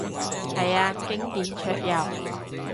係啊，經典桌遊